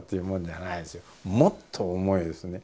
もっと重いですね。